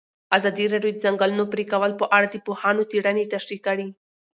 ازادي راډیو د د ځنګلونو پرېکول په اړه د پوهانو څېړنې تشریح کړې.